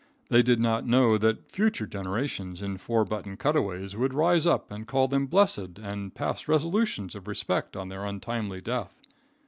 They did not know that future generations in four button cutaways would rise up and call them blessed and pass resolutions of respect on their untimely death.